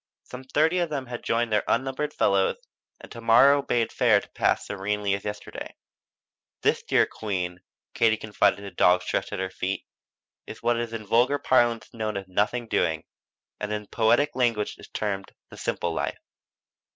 Some thirty of them had joined their unnumbered fellows and to morrow bade fair to pass serenely as yesterday. "This, dear Queen," Katie confided to the dog stretched at her feet, "is what in vulgar parlance is known as 'nothing doing,' and in poetic language is termed the 'simple life.'"